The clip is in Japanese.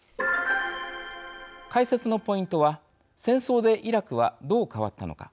解説のポイントは戦争でイラクはどう変わったのか。